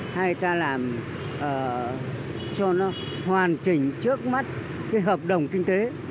hay ta làm cho nó hoàn chỉnh trước mắt cái hợp đồng kinh tế